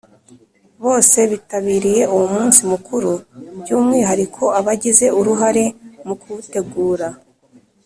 bose bitabiriye uwo munsi mukuru. by’umwihariko abagize uruhare mu kuwutegura.